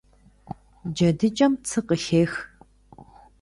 ДжэдыкӀэм цы къыхех.